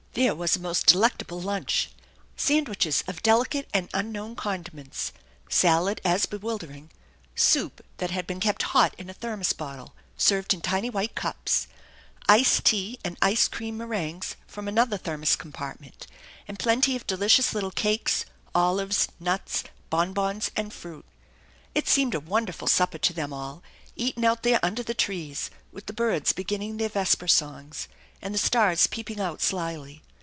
There was a most delectable lunch; sandwiches of delicate and unknown condiments, salad as bewildering, soup that had been kept hot in a thermos bottle, served in tiny white cups, iced tea and ice cream meringues from another thermos com partment, and plenty of delicious little cakes, olives, nuts, bonbons, and fruit. It seemed a wonderful supper to them all, eaten out there under the trees, with the birds beginning their vesper songs and the stars peeping out slyly.